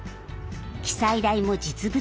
記載台も実物です。